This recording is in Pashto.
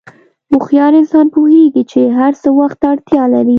هوښیار انسان پوهېږي چې هر څه وخت ته اړتیا لري.